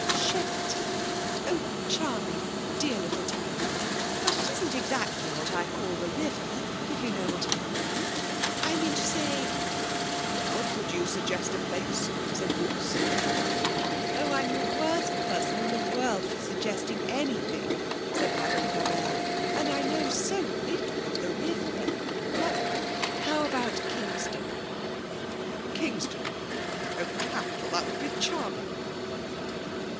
'Shepperton? Oh, charming! Dear little town. But it isn't exactly what I call the river, if you know what I mean. I mean to say ' 'Well, could you suggest a place?' said Bruce. 'Oh, I'm the worst person in the world for suggesting anything,' said Madame Frabelle. 'And I know so little of the river. But how about Kingston?' 'Kingston? Oh, capital. That would be charming.'